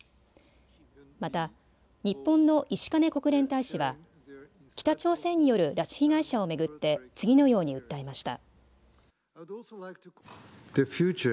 また、日本の石兼国連大使は北朝鮮による拉致被害者を巡って次のように訴えました。